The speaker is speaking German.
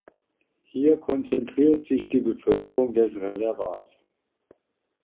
Hier konzentriert sich die Bevölkerung des Reservats.